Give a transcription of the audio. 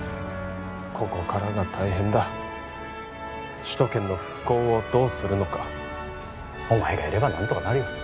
ここからが大変だ首都圏の復興をどうするのかお前がいれば何とかなるよ